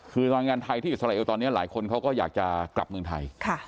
คือแรงงานไทยที่อิสราเอลตอนนี้หลายคนเขาก็อยากจะกลับเมืองไทย